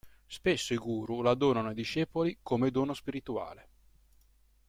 Spesso i guru la donano ai discepoli come dono spirituale.